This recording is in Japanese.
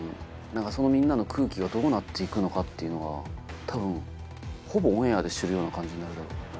そのみんなの空気がどうなって行くのかっていうのが多分ほぼオンエアで知るような感じになる。